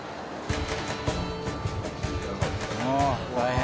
おお大変。